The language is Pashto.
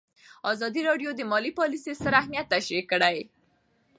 ازادي راډیو د مالي پالیسي ستر اهميت تشریح کړی.